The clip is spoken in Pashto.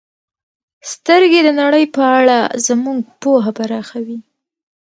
• سترګې د نړۍ په اړه زموږ پوهه پراخوي.